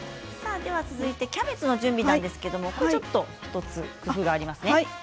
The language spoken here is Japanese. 続いてキャベツの準備なんですが１つ工夫があります。